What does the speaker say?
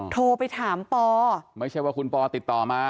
โทรไปถามปอไม่ใช่ว่าคุณปอติดต่อมา